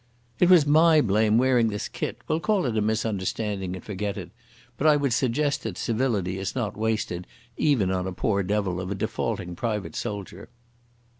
"It was my blame wearing this kit. We'll call it a misunderstanding and forget it. But I would suggest that civility is not wasted even on a poor devil of a defaulting private soldier."